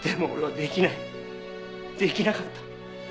できなかった。